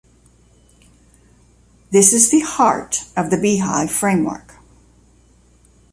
This is the heart of the Beehive framework.